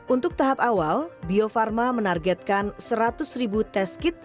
untuk tahap awal biopharma menargetkan seratus ribu test kit